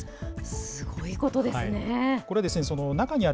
すごいことですね。